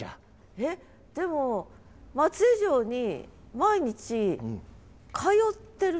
えっでも松江城に毎日通ってるの？